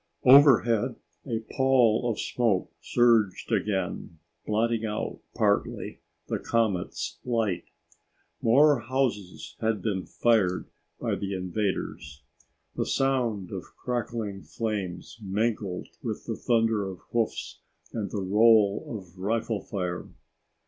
Overhead, a pall of smoke surged again, blotting out, partly, the comet's light. More houses had been fired by the invaders. The sound of crackling flames mingled with the thunder of hoofs and the roll of rifle fire.